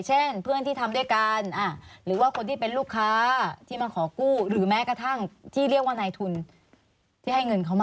เช่นเพื่อนที่ทำด้วยกันหรือว่าคนที่เป็นลูกค้าที่มาขอกู้หรือแม้กระทั่งที่เรียกว่านายทุนที่ให้เงินเขามา